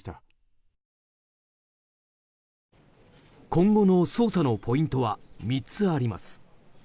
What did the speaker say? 今後の捜査のポイントは３つあります。